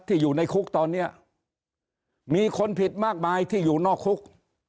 อยู่ในคุกตอนนี้มีคนผิดมากมายที่อยู่นอกคุก